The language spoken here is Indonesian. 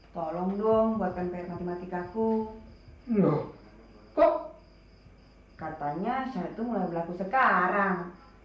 tolong dong buatkan perikmatik aku loh kok katanya satu mulai berlaku sekarang